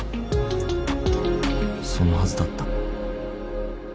［そのはずだった］